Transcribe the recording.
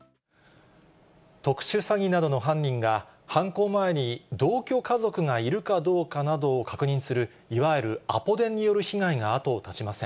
特殊詐欺などの犯人が、犯行前に同居家族がいるかどうかなどを確認する、いわゆるアポ電による被害が後を絶ちません。